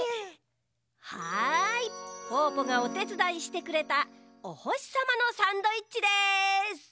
はいぽぅぽがおてつだいしてくれたおほしさまのサンドイッチです！